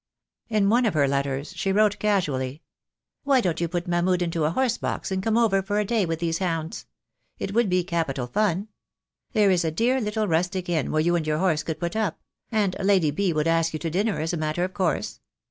In one of her letters she wrote casually: — "Why don't you put Mahmud into a horse box and come over for a day with these hounds. It would be capital fun. There is a dear little rustic inn where you and your horse can put up — and Lady B. would ask you to dinner as a matter of course.